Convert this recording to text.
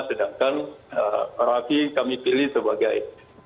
sedangkan raki kami pilih sebagai